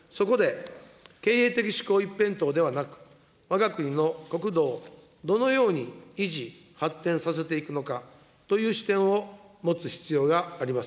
一辺倒ではなく、わが国の国土をどのように維持、発展させていくのかという視点を持つ必要があります。